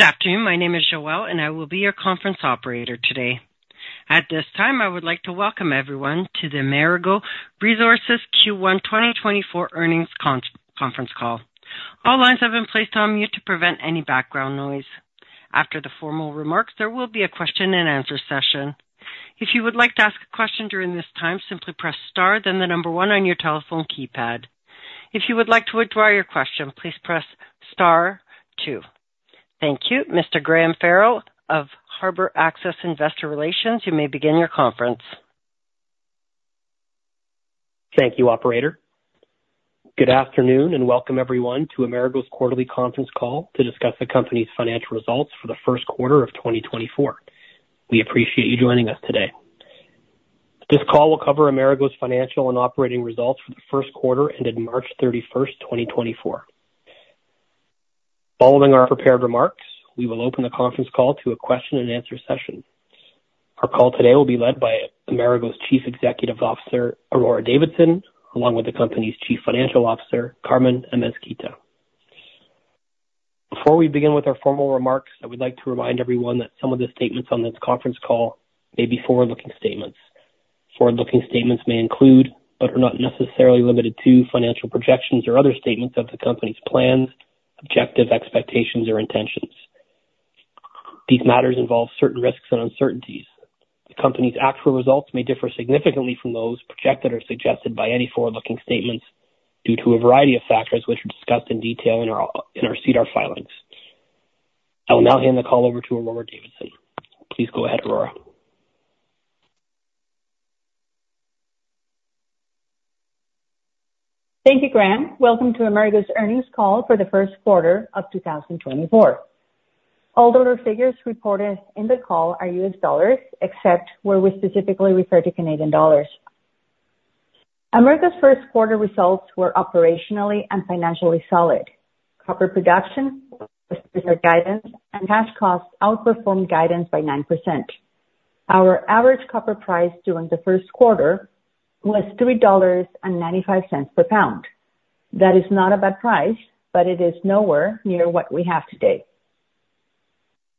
Good afternoon. My name is Joelle, and I will be your conference operator today. At this time, I would like to welcome everyone to the Amerigo Resources Q1 2024 earnings conference call. All lines have been placed on mute to prevent any background noise. After the formal remarks, there will be a question and answer session. If you would like to ask a question during this time, simply press star, then the number one on your telephone keypad. If you would like to withdraw your question, please press star two. Thank you, Mr. Graham Farrell of Harbor Access Investor Relations. You may begin your conference. Thank you, operator. Good afternoon, and welcome everyone to Amerigo's quarterly conference call to discuss the company's financial results for the first quarter of 2024. We appreciate you joining us today. This call will cover Amerigo's financial and operating results for the first quarter, ended March 31st, 2024. Following our prepared remarks, we will open the conference call to a question-and-answer session. Our call today will be led by Amerigo's Chief Executive Officer, Aurora Davidson, along with the company's Chief Financial Officer, Carmen Amezquita. Before we begin with our formal remarks, I would like to remind everyone that some of the statements on this conference call may be forward-looking statements. Forward-looking statements may include, but are not necessarily limited to, financial projections or other statements of the company's plans, objectives, expectations, or intentions. These matters involve certain risks and uncertainties. The company's actual results may differ significantly from those projected or suggested by any forward-looking statements due to a variety of factors which are discussed in detail in our SEDAR filings. I will now hand the call over to Aurora Davidson. Please go ahead, Aurora. Thank you, Graham. Welcome to Amerigo's earnings call for the first quarter of 2024. All dollar figures reported in the call are U.S. dollars, except where we specifically refer to Canadian dollars. Amerigo's first quarter results were operationally and financially solid. Copper production guidance and cash costs outperformed guidance by 9%. Our average copper price during the first quarter was $3.95 per lb. That is not a bad price, but it is nowhere near what we have today.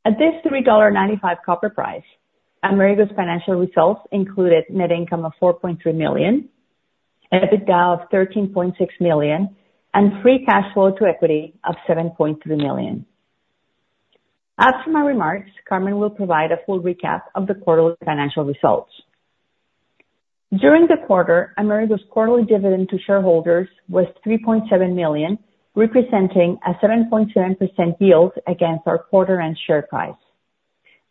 At this $3.95 copper price, Amerigo's financial results included net income of $4.3 million, EBITDA of $13.6 million, and free cash flow to equity of $7.3 million. After my remarks, Carmen will provide a full recap of the quarterly financial results. During the quarter, Amerigo's quarterly dividend to shareholders was $3.7 million, representing a 7.7% yield against our quarter-end share price.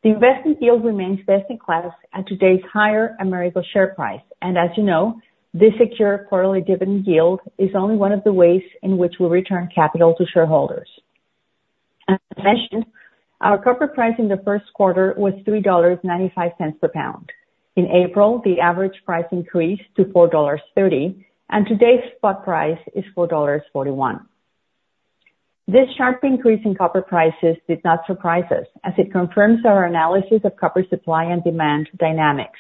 The investment yield remains best in class at today's higher Amerigo share price, and as you know, this secure quarterly dividend yield is only one of the ways in which we'll return capital to shareholders. As mentioned, our copper price in the first quarter was $3.95 per lb. In April, the average price increased to $4.30, and today's spot price is $4.41. This sharp increase in copper prices did not surprise us, as it confirms our analysis of copper supply and demand dynamics.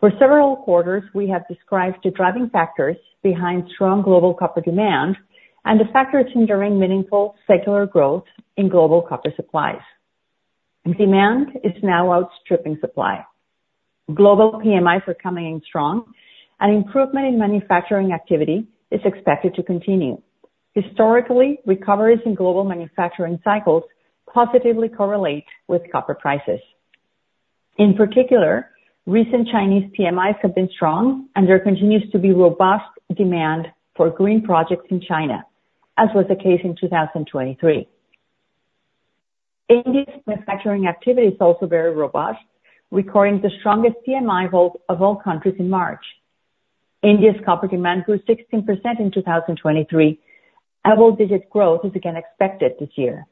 For several quarters, we have described the driving factors behind strong global copper demand and the factors hindering meaningful secular growth in global copper supplies. Demand is now outstripping supply. Global PMIs are coming in strong, and improvement in manufacturing activity is expected to continue. Historically, recoveries in global manufacturing cycles positively correlate with copper prices. In particular, recent Chinese PMIs have been strong, and there continues to be robust demand for green projects in China, as was the case in 2023. India's manufacturing activity is also very robust, recording the strongest PMI of all, of all countries in March. India's copper demand grew 16% in 2023. Double-digit growth is again expected this year.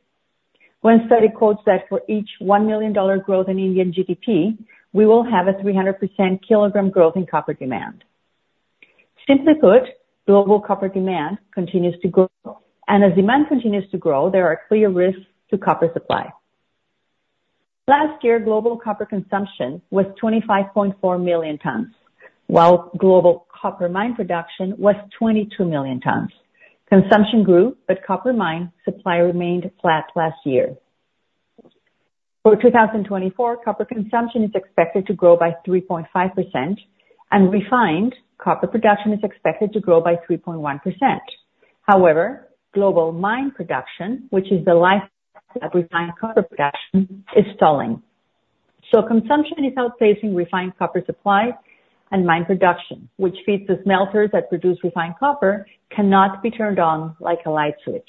One study quotes that for each $1 million growth in Indian GDP, we will have a 300% kilogram growth in copper demand. Simply put, global copper demand continues to grow, and as demand continues to grow, there are clear risks to copper supply. Last year, global copper consumption was 25.4 million tons, while global copper mine production was 22 million tons. Consumption grew, but copper mine supply remained flat last year. For 2024, copper consumption is expected to grow by 3.5%, and refined copper production is expected to grow by 3.1%. However, global mine production, which is the life of refined copper production, is stalling. So consumption is outpacing refined copper supply and mine production, which feeds the smelters that produce refined copper, cannot be turned on like a light switch.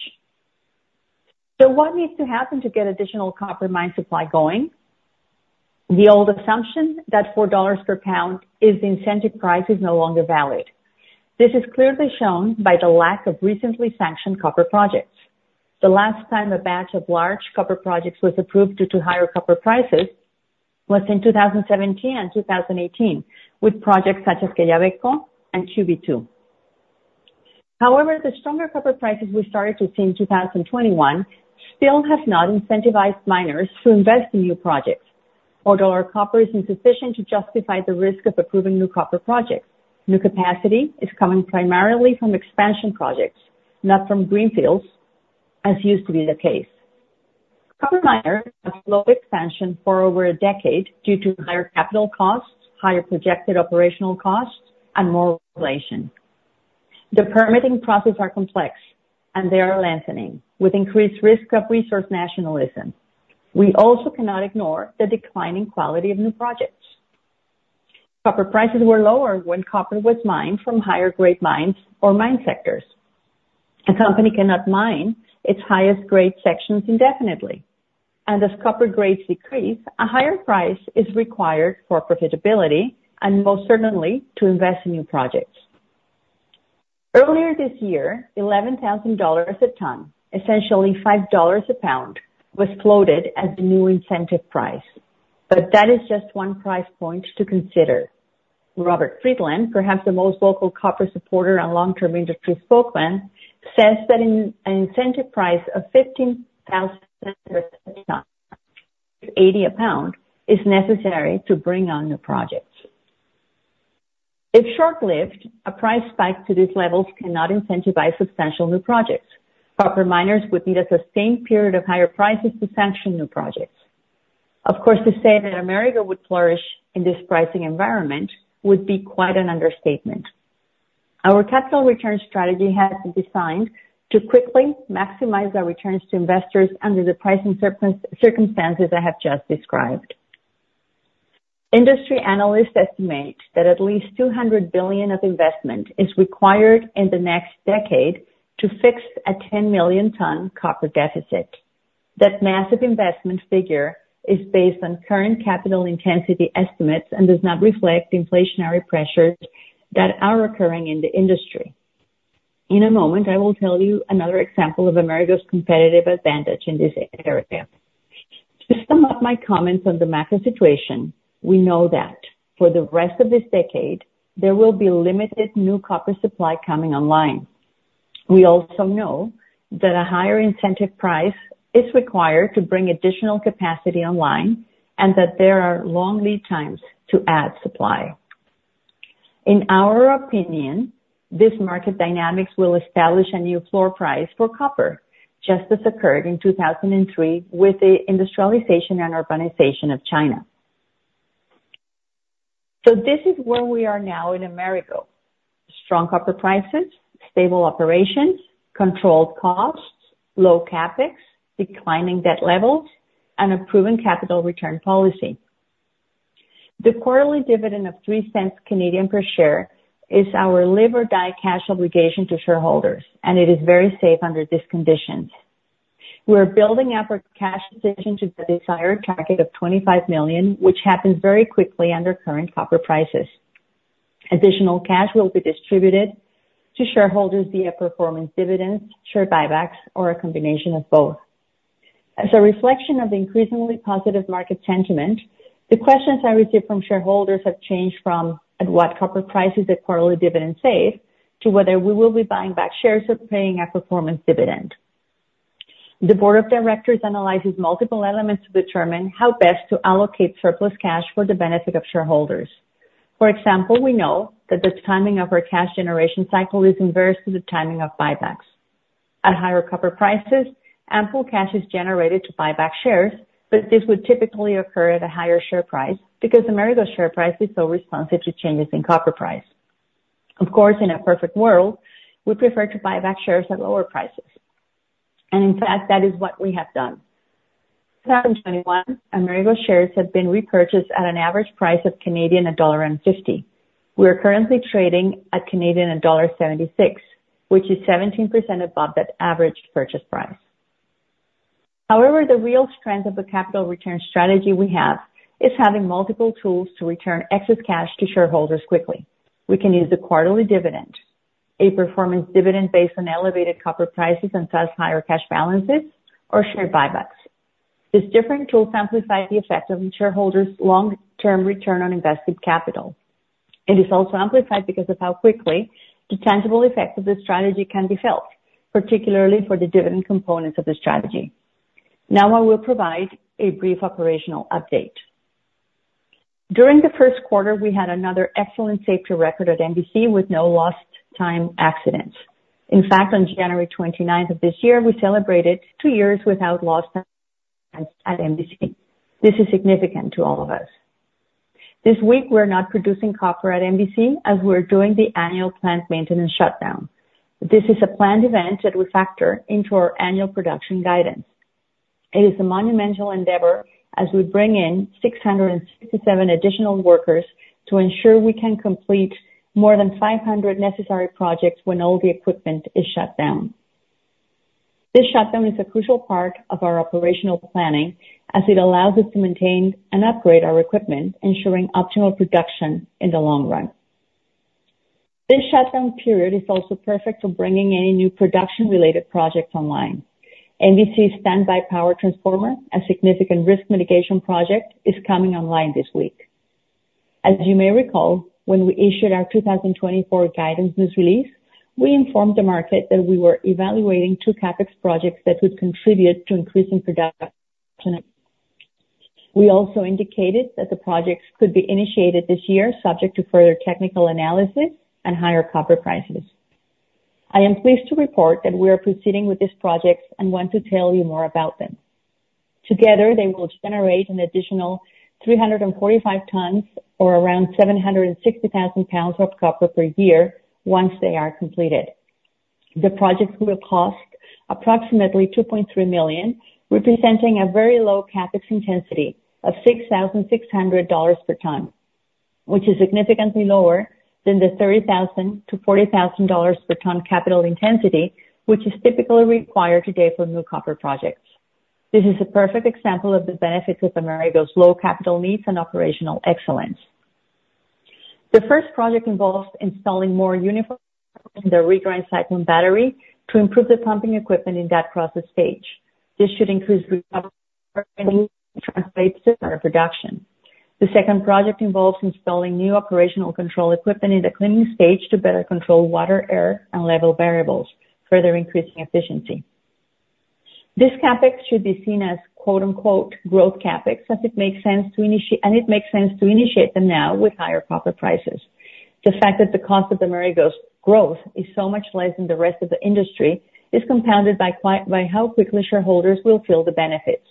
So what needs to happen to get additional copper mine supply going? The old assumption that $4 per lb is the incentive price is no longer valid. This is clearly shown by the lack of recently sanctioned copper projects. The last time a batch of large copper projects was approved due to higher copper prices was in 2017 and 2018, with projects such as Quellaveco and QB2. However, the stronger copper prices we started to see in 2021 still has not incentivized miners to invest in new projects. Although copper is insufficient to justify the risk of approving new copper projects, new capacity is coming primarily from expansion projects, not from greenfields, as used to be the case. Copper miners have slowed expansion for over a decade due to higher capital costs, higher projected operational costs, and more regulation. The permitting process are complex, and they are lengthening with increased risk of resource nationalism. We also cannot ignore the declining quality of new projects. Copper prices were lower when copper was mined from higher grade mines or mine sectors. A company cannot mine its highest grade sections indefinitely, and as copper grades decrease, a higher price is required for profitability and most certainly to invest in new projects. Earlier this year, $11,000 a ton, essentially $5 a pound, was floated as the new incentive price, but that is just one price point to consider. Robert Friedland, perhaps the most vocal copper supporter and long-term industry spokesman, says that an incentive price of $15,000 a ton, $80 a pound, is necessary to bring on new projects. If short-lived, a price spike to these levels cannot incentivize substantial new projects. Copper miners would need a sustained period of higher prices to sanction new projects. Of course, to say that Amerigo would flourish in this pricing environment would be quite an understatement. Our capital return strategy has been designed to quickly maximize our returns to investors under the pricing circumstances I have just described. Industry analysts estimate that at least $200 billion of investment is required in the next decade to fix a 10 million ton copper deficit. That massive investment figure is based on current capital intensity estimates and does not reflect the inflationary pressures that are occurring in the industry. In a moment, I will tell you another example of Amerigo's competitive advantage in this area. To sum up my comments on the macro situation, we know that for the rest of this decade, there will be limited new copper supply coming online. We also know that a higher incentive price is required to bring additional capacity online and that there are long lead times to add supply. In our opinion, this market dynamics will establish a new floor price for copper, just as occurred in 2003 with the industrialization and urbanization of China. So this is where we are now in Amerigo. Strong copper prices, stable operations, controlled costs, low CapEx, declining debt levels, and a proven capital return policy. The quarterly dividend of 0.03 per share is our live or die cash obligation to shareholders, and it is very safe under these conditions. We are building up our cash position to the desired target of $25 million, which happens very quickly under current copper prices. Additional cash will be distributed to shareholders via performance dividends, share buybacks, or a combination of both. As a reflection of the increasingly positive market sentiment, the questions I receive from shareholders have changed from at what copper price is the quarterly dividend safe, to whether we will be buying back shares or paying a performance dividend. The board of directors analyzes multiple elements to determine how best to allocate surplus cash for the benefit of shareholders. For example, we know that the timing of our cash generation cycle is inverse to the timing of buybacks. At higher copper prices, ample cash is generated to buy back shares, but this would typically occur at a higher share price because Amerigo's share price is so responsive to changes in copper price. Of course, in a perfect world, we prefer to buy back shares at lower prices, and in fact, that is what we have done. In 2021, Amerigo shares have been repurchased at an average price of 1.50 dollar. We are currently trading at dollar 1.76, which is 17% above that average purchase price. However, the real strength of the capital return strategy we have is having multiple tools to return excess cash to shareholders quickly. We can use the quarterly dividend, a performance dividend based on elevated copper prices and thus higher cash balances, or share buybacks. These different tools amplify the effect of shareholders' long-term return on invested capital. It is also amplified because of how quickly the tangible effects of this strategy can be felt, particularly for the dividend components of the strategy. Now I will provide a brief operational update. During the first quarter, we had another excellent safety record at MVC with no lost time accidents. In fact, on January 29th of this year, we celebrated two years without lost time at MVC. This is significant to all of us. This week, we're not producing copper at MVC as we're doing the annual plant maintenance shutdown. This is a planned event that we factor into our annual production guidance. It is a monumental endeavor as we bring in 667 additional workers to ensure we can complete more than 500 necessary projects when all the equipment is shut down. This shutdown is a crucial part of our operational planning as it allows us to maintain and upgrade our equipment, ensuring optimal production in the long run. This shutdown period is also perfect for bringing any new production-related projects online. MVC's standby power transformer, a significant risk mitigation project, is coming online this week. As you may recall, when we issued our 2024 guidance news release, we informed the market that we were evaluating two CapEx projects that would contribute to increasing production. We also indicated that the projects could be initiated this year, subject to further technical analysis and higher copper prices. I am pleased to report that we are proceeding with these projects and want to tell you more about them. Together, they will generate an additional 345 tons or around 760,000 lb of copper per year once they are completed. The projects will cost approximately $2.3 million, representing a very low CapEx intensity of $6,600 per ton, which is significantly lower than the $30,000-$40,000 per ton capital intensity, which is typically required today for new copper projects. This is a perfect example of the benefits of Amerigo's low capital needs and operational excellence. The first project involves installing more uniform in the regrind cyclone battery to improve the pumping equipment in that process stage. This should increase recovery and translates to higher production. The second project involves installing new operational control equipment in the cleaning stage to better control water, air, and level variables, further increasing efficiency. This CapEx should be seen as quote, unquote, growth CapEx, as it makes sense to initiate them now with higher copper prices. The fact that the cost of Amerigo's growth is so much less than the rest of the industry is compounded by how quickly shareholders will feel the benefits.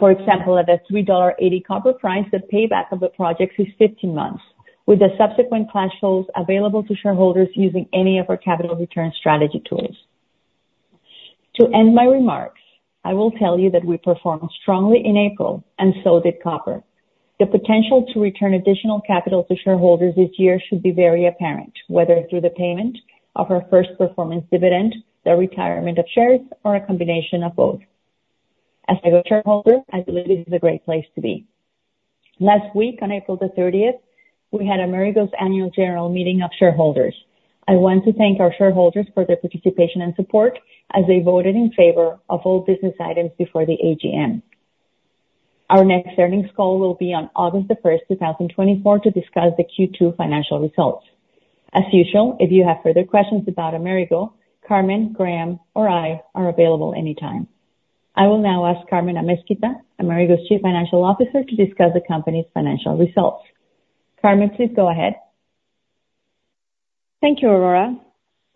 For example, at a $3.80 copper price, the payback of the projects is 15 months, with the subsequent cash flows available to shareholders using any of our capital return strategy tools. To end my remarks, I will tell you that we performed strongly in April, and so did copper. The potential to return additional capital to shareholders this year should be very apparent, whether through the payment of our first performance dividend, the retirement of shares, or a combination of both. As a shareholder, I believe this is a great place to be. Last week, on April 30, we had Amerigo's Annual General Meeting of shareholders. I want to thank our shareholders for their participation and support as they voted in favor of all business items before the AGM. Our next earnings call will be on August 1st, 2024, to discuss the Q2 financial results. As usual, if you have further questions about Amerigo, Carmen, Graham, or I are available anytime. I will now ask Carmen Amezquita, Amerigo's Chief Financial Officer, to discuss the company's financial results. Carmen, please go ahead. Thank you, Aurora.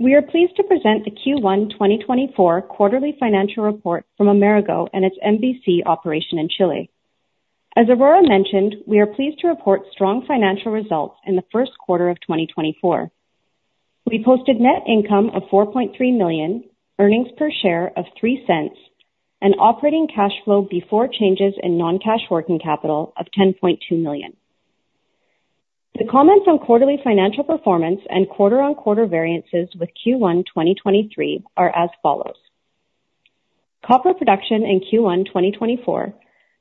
We are pleased to present the Q1 2024 quarterly financial report from Amerigo and its MVC operation in Chile. As Aurora mentioned, we are pleased to report strong financial results in the first quarter of 2024. We posted net income of $4.3 million, earnings per share of $0.03, and operating cash flow before changes in non-cash working capital of $10.2 million. The comments on quarterly financial performance and quarter-on-quarter variances with Q1 2023 are as follows: Copper production in Q1 2024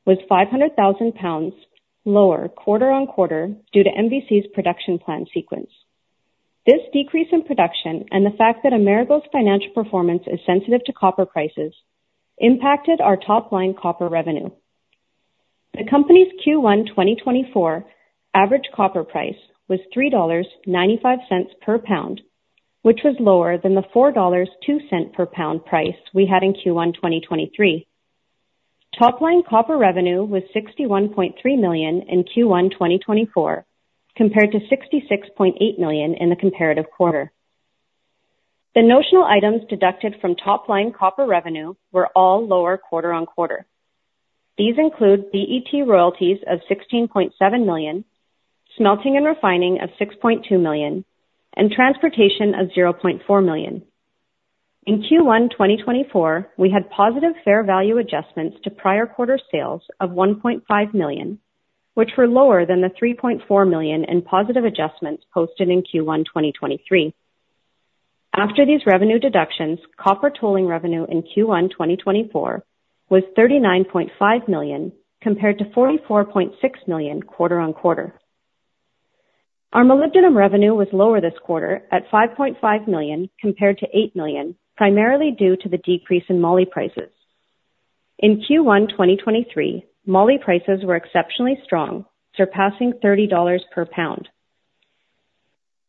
was 500,000 lb lower quarter-on-quarter due to MVC's production plan sequence. This decrease in production and the fact that Amerigo's financial performance is sensitive to copper prices impacted our top-line copper revenue. The company's Q1 2024 average copper price was $3.95 per lb, which was lower than the $4.02 per lb price we had in Q1 2023. Top-line copper revenue was $61.3 million in Q1 2024, compared to $66.8 million in the comparative quarter. The notional items deducted from top-line copper revenue were all lower quarter-on-quarter. These include DET royalties of $16.7 million, smelting and refining of $6.2 million, and transportation of $0.4 million. In Q1 2024, we had positive fair value adjustments to prior quarter sales of $1.5 million, which were lower than the $3.4 million in positive adjustments posted in Q1 2023. After these revenue deductions, copper tolling revenue in Q1 2024 was $39.5 million, compared to $44.6 million quarter-on-quarter. Our molybdenum revenue was lower this quarter at $5.5 million, compared to $8 million, primarily due to the decrease in moly prices. In Q1 2023, moly prices were exceptionally strong, surpassing $30 per lb.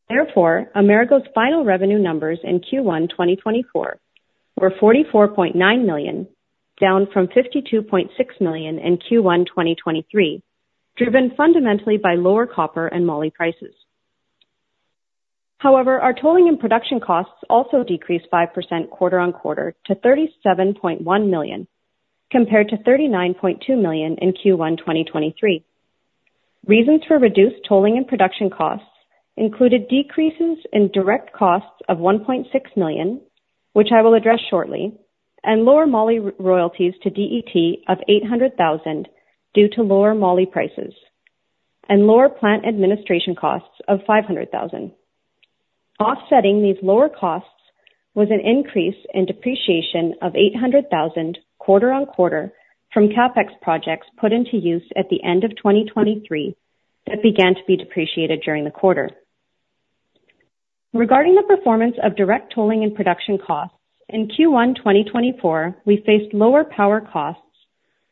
Therefore, Amerigo's final revenue numbers in Q1 2024 were $44.9 million, down from $52.6 million in Q1 2023, driven fundamentally by lower copper and moly prices. However, our tolling and production costs also decreased by percent quarter-on-quarter to $37.1 million, compared to $39.2 million in Q1 2023. Reasons for reduced tolling and production costs included decreases in direct costs of $1.6 million, which I will address shortly, and lower moly royalties to DET of $800,000 due to lower moly prices, and lower plant administration costs of $500,000. Offsetting these lower costs was an increase in depreciation of $800,000 quarter-on-quarter from CapEx projects put into use at the end of 2023 that began to be depreciated during the quarter. Regarding the performance of direct tolling and production costs, in Q1 2024, we faced lower power costs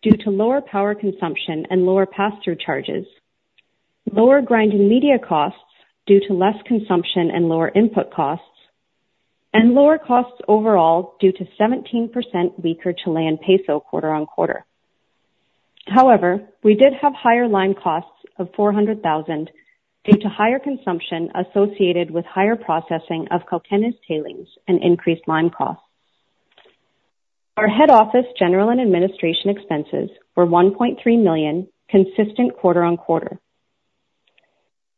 due to lower power consumption and lower pass-through charges, lower grinding media costs due to less consumption and lower input costs, and lower costs overall due to 17% weaker Chilean peso quarter-on-quarter. However, we did have higher lime costs of $400,000 due to higher consumption associated with higher processing of Cauquenes' tailings and increased lime costs. Our head office general and administration expenses were $1.3 million, consistent quarter-on-quarter.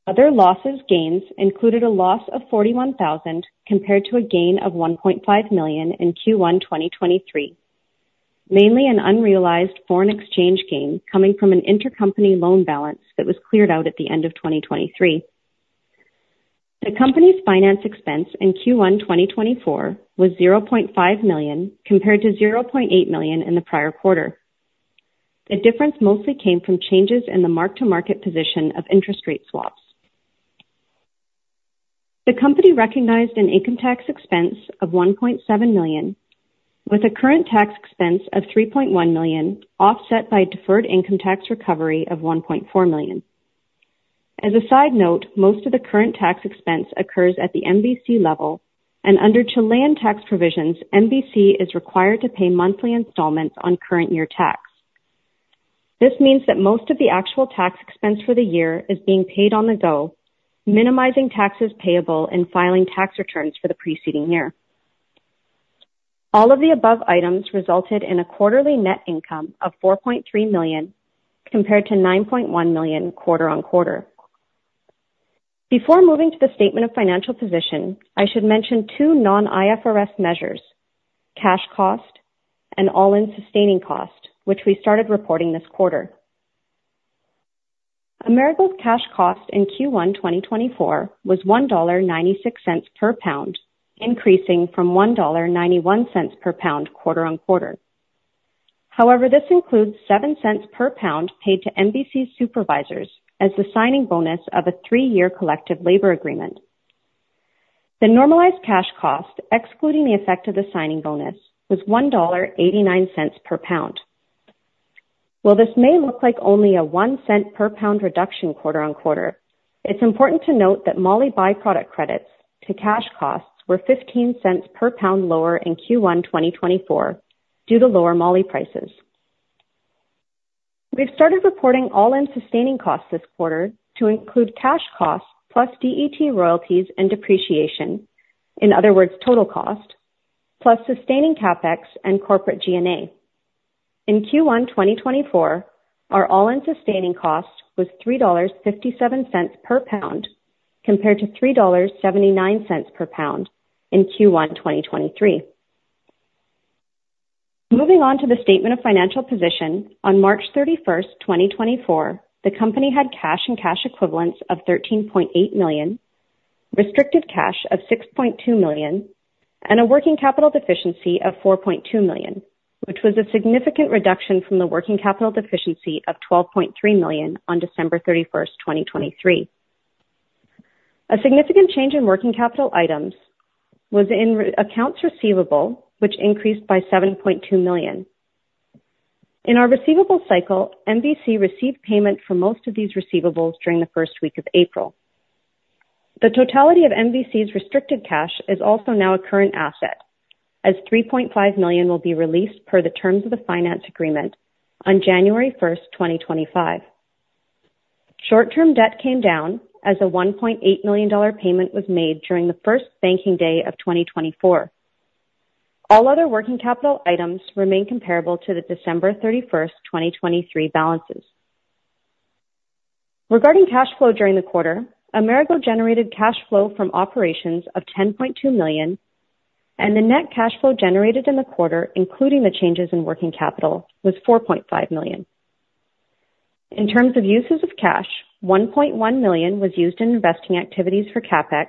Other losses, gains included a loss of $41,000 compared to a gain of $1.5 million in Q1 2023, mainly an unrealized foreign exchange gain coming from an intercompany loan balance that was cleared out at the end of 2023. The company's finance expense in Q1 2024 was $0.5 million, compared to $0.8 million in the prior quarter. The difference mostly came from changes in the mark-to-market position of interest rate swaps. The company recognized an income tax expense of $1.7 million, with a current tax expense of $3.1 million, offset by deferred income tax recovery of $1.4 million. As a side note, most of the current tax expense occurs at the MVC level, and under Chilean tax provisions, MVC is required to pay monthly installments on current-year tax. This means that most of the actual tax expense for the year is being paid on the go, minimizing taxes payable and filing tax returns for the preceding year. All of the above items resulted in a quarterly net income of $4.3 million, compared to $9.1 million quarter-over-quarter. Before moving to the statement of financial position, I should mention two non-IFRS measures, cash cost and all-in sustaining cost, which we started reporting this quarter. Amerigo's cash cost in Q1 2024 was $1.96 per lb, increasing from $1.91 per lb, quarter-on-quarter. However, this includes $0.07 per lb paid to MVC supervisors as the signing bonus of a three-year collective labor agreement. The normalized cash cost, excluding the effect of the signing bonus, was $1.89 per lb. While this may look like only a $0.01 per lb reduction quarter-on-quarter, it's important to note that moly by-product credits to cash costs were $0.15 per lb lower in Q1 2024, due to lower moly prices. We've started reporting all-in sustaining costs this quarter to include cash costs plus DET royalties and depreciation, in other words, total cost, plus sustaining CapEx and corporate G&A. In Q1 2024, our all-in sustaining cost was $3.57 per lb, compared to $3.79 per lb in Q1 2023. Moving on to the statement of financial position, on March 31, 2024, the company had cash and cash equivalents of $13.8 million, restricted cash of $6.2 million, and a working capital deficiency of $4.2 million, which was a significant reduction from the working capital deficiency of $12.3 million on December 31, 2023. A significant change in working capital items was in accounts receivable, which increased by $7.2 million. In our receivable cycle, MVC received payment for most of these receivables during the first week of April. The totality of MVC's restricted cash is also now a current asset, as $3.5 million will be released per the terms of the finance agreement on January 1st, 2025. Short-term debt came down as a $1.8 million payment was made during the first banking day of 2024. All other working capital items remain comparable to the December 31st, 2023 balances. Regarding cash flow during the quarter, Amerigo generated cash flow from operations of $10.2 million, and the net cash flow generated in the quarter, including the changes in working capital, was $4.5 million. In terms of uses of cash, $1.1 million was used in investing activities for CapEx,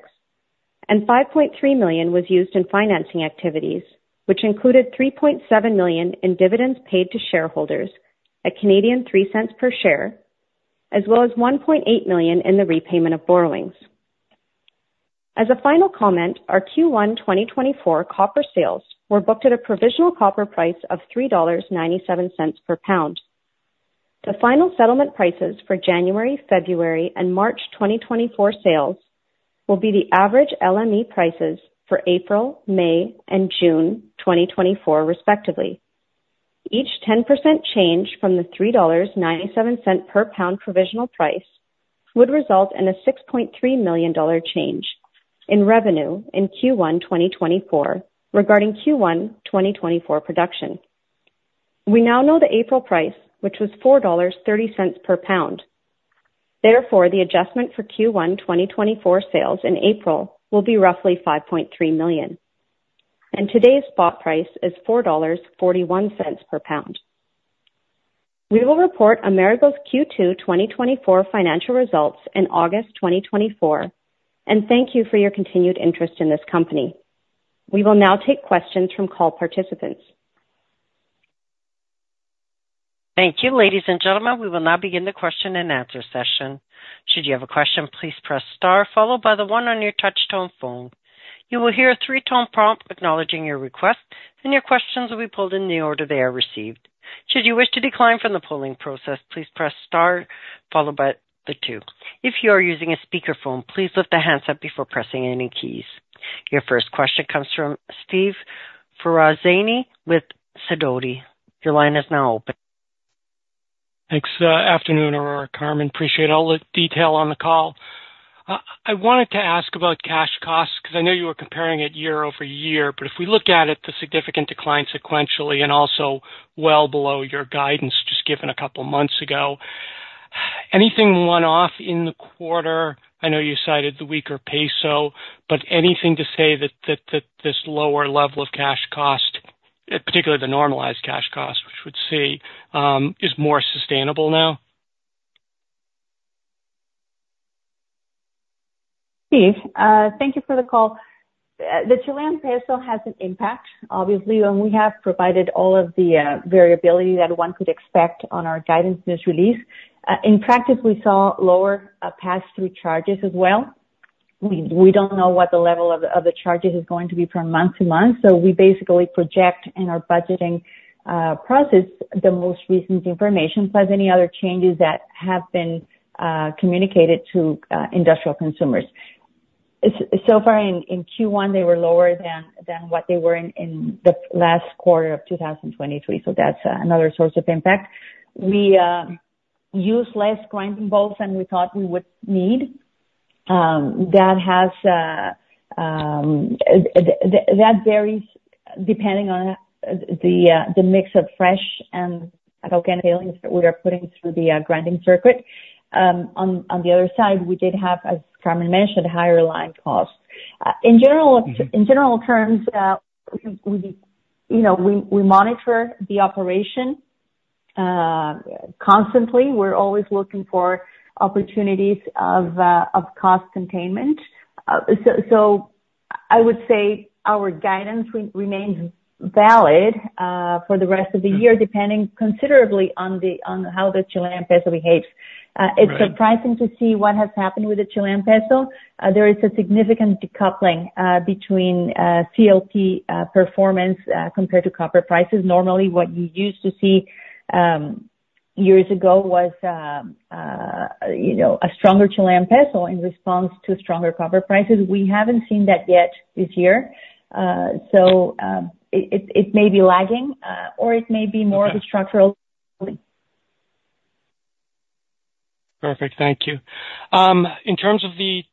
and $5.3 million was used in financing activities, which included $3.7 million in dividends paid to shareholders at 0.03 per share, as well as $1.8 million in the repayment of borrowings. As a final comment, our Q1 2024 copper sales were booked at a provisional copper price of $3.97 per lb. The final settlement prices for January, February, and March 2024 sales will be the average LME prices for April, May, and June 2024, respectively. Each 10% change from the $3.97 per lb provisional price would result in a $6.3 million change in revenue in Q1 2024, regarding Q1 2024 production. We now know the April price, which was $4.30 per lb. Therefore, the adjustment for Q1 2024 sales in April will be roughly $5.3 million, and today's spot price is $4.41 per lb. We will report Amerigo's Q2 2024 financial results in August 2024, and thank you for your continued interest in this company. We will now take questions from call participants. Thank you. Ladies and gentlemen, we will now begin the question and answer session. Should you have a question, please press star followed by the one on your touch-tone phone. You will hear a three-tone prompt acknowledging your request, and your questions will be pulled in the order they are received. Should you wish to decline from the polling process, please press star followed by the two. If you are using a speakerphone, please lift the handset before pressing any keys. Your first question comes from Steve Ferazani with Sidoti. Your line is now open. Thanks, afternoon, Aurora, Carmen. Appreciate all the detail on the call. I wanted to ask about cash costs, 'cause I know you were comparing it year-over-year, but if we look at it, the significant decline sequentially and also well below your guidance, just given a couple of months ago, anything one-off in the quarter? I know you cited the weaker peso, but anything to say that this lower level of cash cost, particularly the normalized cash cost, which we'd see, is more sustainable now? Steve, thank you for the call. The Chilean peso has an impact, obviously, and we have provided all of the variability that one could expect on our guidance news release. In practice, we saw lower pass-through charges as well. We don't know what the level of the charges is going to be from month to month, so we basically project in our budgeting process, the most recent information, plus any other changes that have been communicated to industrial consumers. So far in Q1, they were lower than what they were in the last quarter of 2023, so that's another source of impact. We use less grinding balls than we thought we would need. That varies depending on the mix of fresh and organic tailings that we are putting through the grinding circuit. On the other side, we did have, as Carmen mentioned, higher line costs. In general terms, we, you know, we monitor the operation constantly. We're always looking for opportunities of cost containment. So I would say our guidance remains valid for the rest of the year, depending considerably on how the Chilean peso behaves. Right. It's surprising to see what has happened with the Chilean peso. There is a significant decoupling between CLP performance compared to copper prices. Normally, what you used to see years ago was, you know, a stronger Chilean peso in response to stronger copper prices. We haven't seen that yet this year. So, it may be lagging or it may be more. Okay. Of a structural thing. Perfect. Thank you. In terms of the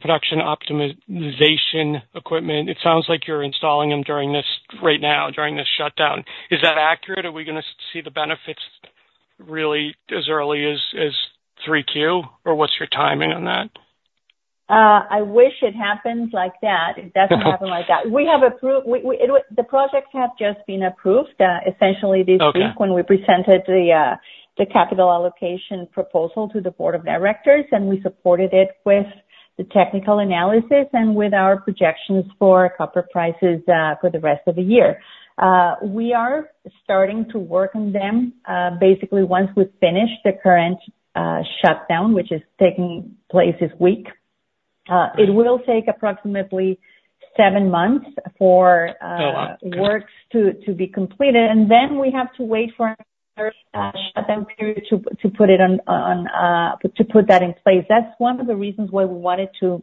production optimization equipment, it sounds like you're installing them during this right now, during this shutdown. Is that accurate? Are we gonna see the benefits really as early as 3Q, or what's your timing on that? I wish it happened like that. It doesn't happen like that. The projects have just been approved, essentially this week. Okay. When we presented the capital allocation proposal to the board of directors, and we supported it with the technical analysis and with our projections for copper prices, for the rest of the year. We are starting to work on them, basically once we finish the current shutdown, which is taking place this week. It will take approximately seven months for. Oh, wow! Works to be completed, and then we have to wait for shutdown period to put it on to put that in place. That's one of the reasons why we wanted to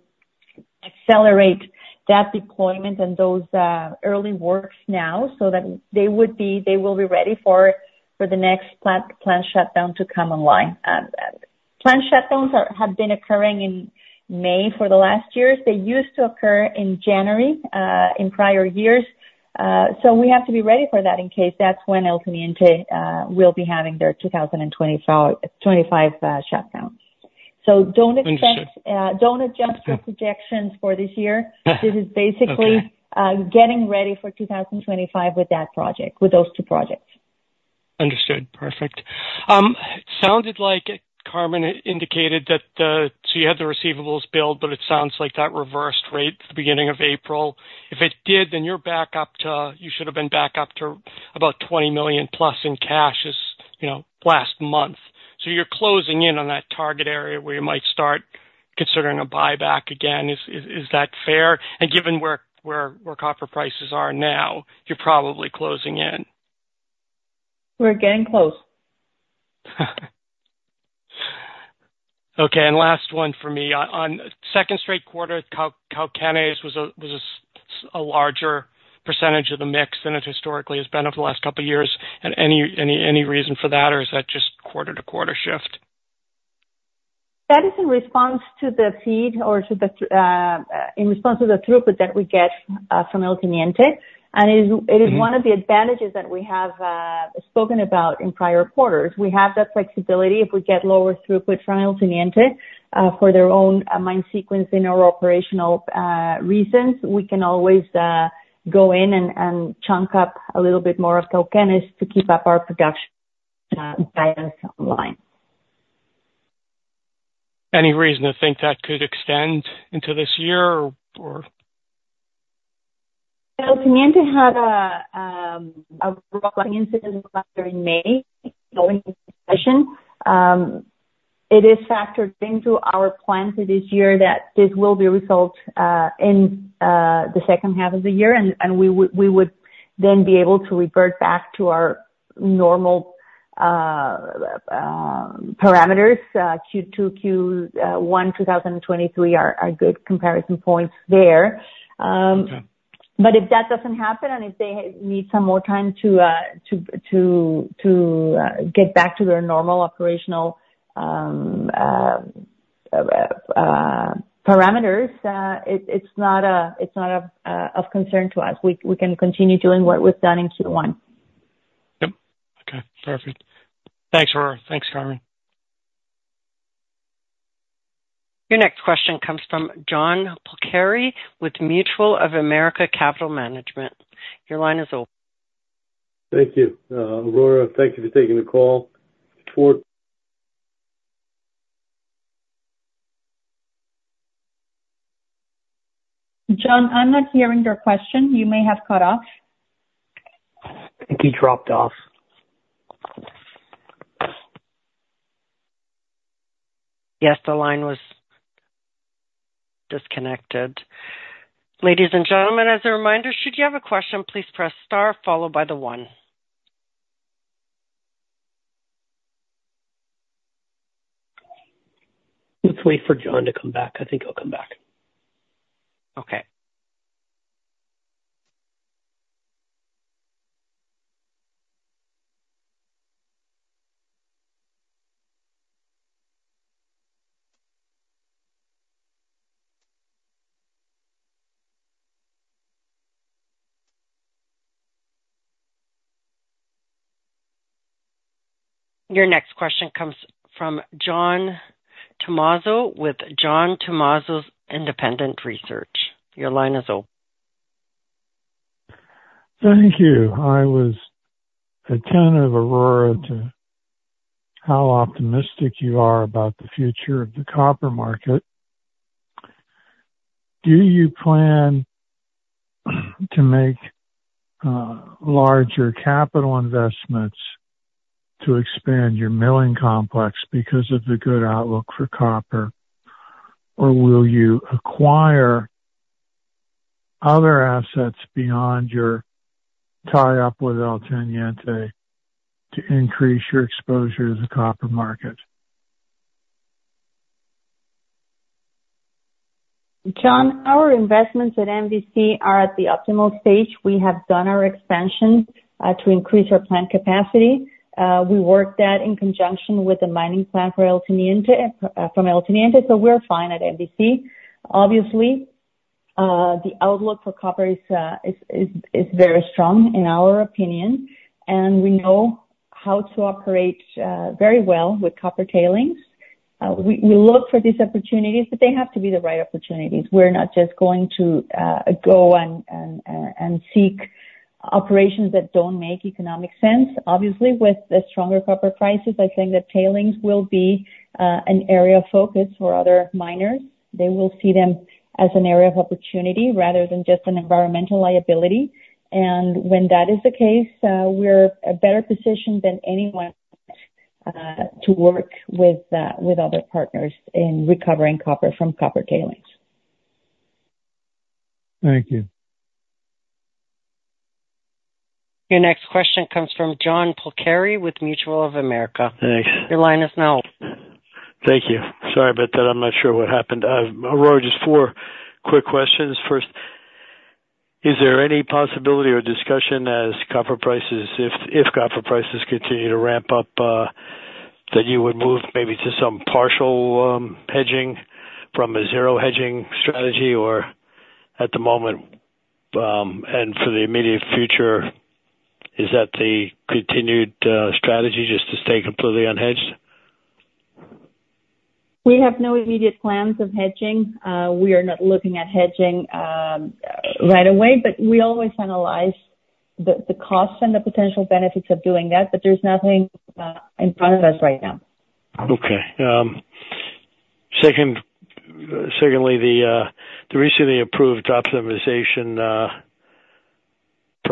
accelerate that deployment and those early works now, so that they would be, they will be ready for the next plant shutdown to come online. Plant shutdowns have been occurring in May for the last years. They used to occur in January in prior years. So we have to be ready for that in case that's when El Teniente will be having their 2024 2025 shutdowns. Understood. So don't expect, don't adjust— Yeah. Your projections for this year. Okay. This is basically, getting ready for 2025 with that project, with those two projects. Understood. Perfect. Sounded like Carmen indicated that she had the receivables build, but it sounds like that reversed right at the beginning of April. If it did, then you're back up to, you should have been back up to about $20+ million in cashes, you know, last month. So you're closing in on that target area where you might start considering a buyback again. Is, is, is that fair? And given where, where, where copper prices are now, you're probably closing in. We're getting close. Okay, and last one for me. On second straight quarter, Cauquenes was a larger percentage of the mix than it historically has been over the last couple of years. And any reason for that, or is that just quarter-to-quarter shift? That is in response to the feed or to the, in response to the throughput that we get from El Teniente, and it is- Mm-hmm. It is one of the advantages that we have, spoken about in prior quarters. We have that flexibility. If we get lower throughput from El Teniente, for their own, mine sequence or operational, reasons, we can always, go in and chunk up a little bit more of Cauquenes to keep up our production, guidance online. Any reason to think that could extend into this year or? Well, El Teniente had an incident in May 2023. It is factored into our plans for this year that this will be resolved in the second half of the year, and we would then be able to revert back to our normal parameters. Q2, Q1, 2023 are good comparison points there. Okay. But if that doesn't happen, and if they need some more time to get back to their normal operational parameters, it's not of concern to us. We can continue doing what we've done in Q1. Yep. Okay, perfect. Thanks, Aurora. Thanks, Carmen. Your next question comes from John Polcari with Mutual of America Capital Management. Your line is open. Thank you. Aurora, thank you for taking the call. John, I'm not hearing your question. You may have cut off. I think he dropped off. Yes, the line was disconnected. Ladies and gentlemen, as a reminder, should you have a question, please press star followed by the one. Let's wait for John to come back. I think he'll come back. Okay. Your next question comes from John Tumazos with John Tumazos's Very Independent Research. Your line is open. Thank you. I was attentive, Aurora, to how optimistic you are about the future of the copper market. Do you plan to make larger capital investments to expand your milling complex because of the good outlook for copper? Or will you acquire other assets beyond your tie-up with El Teniente to increase your exposure to the copper market? John, our investments at MVC are at the optimal stage. We have done our expansion to increase our plant capacity. We worked that in conjunction with the mining plant for El Teniente from El Teniente, so we're fine at MVC. Obviously, the outlook for copper is very strong in our opinion, and we know how to operate very well with copper tailings. We look for these opportunities, but they have to be the right opportunities. We're not just going to go and seek operations that don't make economic sense. Obviously, with the stronger copper prices, I think that tailings will be an area of focus for other miners. They will see them as an area of opportunity rather than just an environmental liability. When that is the case, we're better-positioned than anyone to work with other partners in recovering copper from copper tailings. Thank you. Your next question comes from John Polcari with Mutual of America. Thanks. Your line is now open. Thank you. Sorry about that. I'm not sure what happened. Aurora, just four quick questions. First, is there any possibility or discussion as copper prices, if copper prices continue to ramp up, that you would move maybe to some partial hedging from a zero hedging strategy? Or at the moment, and for the immediate future, is that the continued strategy, just to stay completely unhedged? We have no immediate plans of hedging. We are not looking at hedging right away, but we always analyze the costs and the potential benefits of doing that, but there's nothing in front of us right now. Okay. Secondly, the recently approved optimization projects,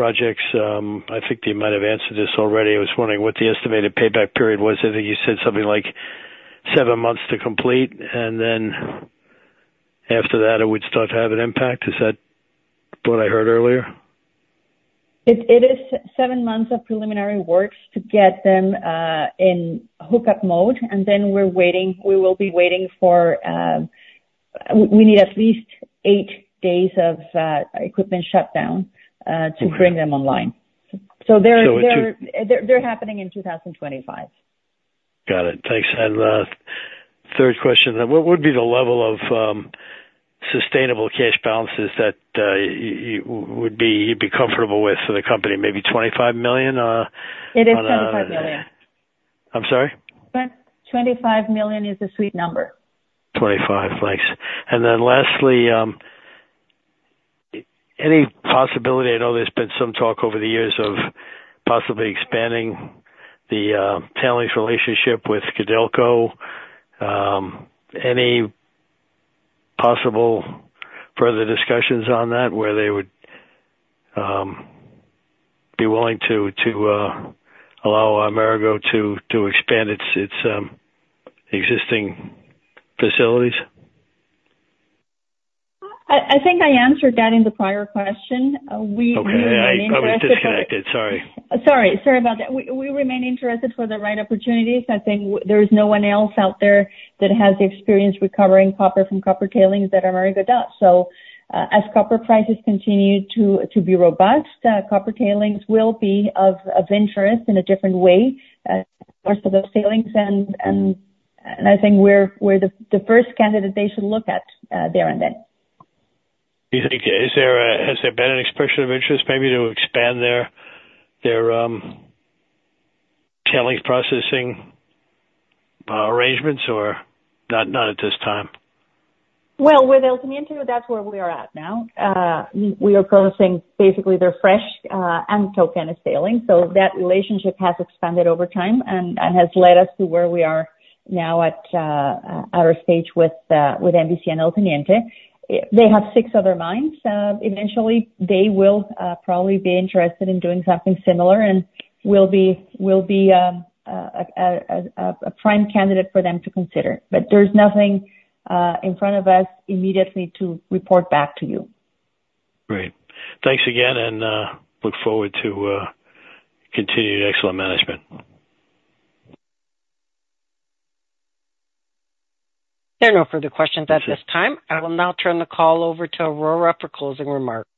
I think you might have answered this already. I was wondering what the estimated payback period was. I think you said something like seven months to complete, and then after that, it would start to have an impact. Is that what I heard earlier? It is seven months of preliminary works to get them in hookup mode, and then we're waiting, we will be waiting for, we need at least eight days of equipment shutdown. Okay. To bring them online. So they're— So it's— They're happening in 2025. Got it. Thanks. And, third question, what would be the level of, sustainable cash balances that, would be, you'd be comfortable with for the company? Maybe $25 million, on a— It is $25 million. I'm sorry? $25 million is the sweet number. Twenty-five. Thanks. And then lastly, any possibility, I know there's been some talk over the years of possibly expanding the tailings relationship with Codelco. Any possible further discussions on that where they would be willing to allow Amerigo to expand its existing facilities? I think I answered that in the prior question. We— Okay. I was disconnected. Sorry. Sorry. Sorry about that. We remain interested for the right opportunities. I think there is no one else out there that has the experience recovering copper from copper tailings that are very good at. So, as copper prices continue to be robust, copper tailings will be of interest in a different way as most of those tailings. And I think we're the first candidate they should look at, there and then. Do you think, has there been an expression of interest maybe to expand their tailings processing arrangements or not, not at this time? Well, with El Teniente, that's where we are at now. We are processing basically their fresh, and tonnage of tailings. So that relationship has expanded over time and has led us to where we are now at, at our stage with MVC and El Teniente. They have six other mines. Eventually, they will probably be interested in doing something similar, and we'll be a prime candidate for them to consider. But there's nothing in front of us immediately to report back to you. Great. Thanks again, and look forward to continued excellent management. There are no further questions at this time. I will now turn the call over to Aurora for closing remarks.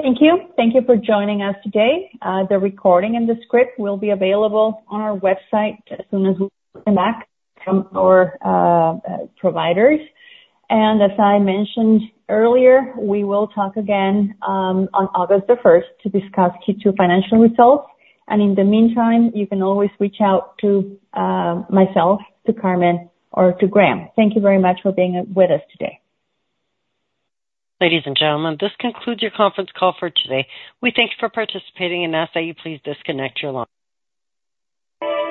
Thank you. Thank you for joining us today. The recording and the script will be available on our website as soon as we come back from our providers. As I mentioned earlier, we will talk again on August 1st to discuss Q2 financial results. In the meantime, you can always reach out to myself, to Carmen, or to Graham. Thank you very much for being with us today. Ladies and gentlemen, this concludes your conference call for today. We thank you for participating and ask that you please disconnect your line.